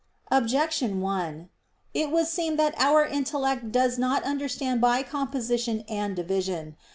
Objection 1: It would seem that our intellect does not understand by composition and division.